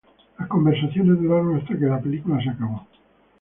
Las conversaciones duraron hasta que la película se acabó.